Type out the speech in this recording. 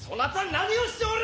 何をしておる！